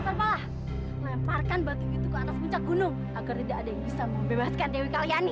serbalah lemparkan batu itu ke atas puncak gunung agar tidak ada yang bisa membebaskan dewi karyani